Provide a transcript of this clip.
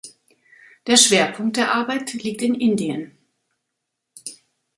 Der Schwerpunkt der Arbeit liegt in Indien.